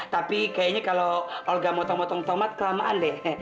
tapi kayaknya kalau olga mau tomat motong tomat kelamaan deh